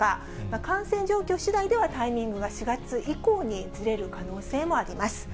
感染状況しだいではタイミングが４月以降にずれる可能性もあります。